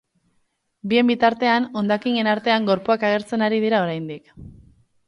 Bien bitartean, hondakinen artean gorpuak agertzen ari dira oraindik.